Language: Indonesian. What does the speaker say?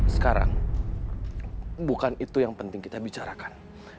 sekarang bukan itu yang penting kita bicarakan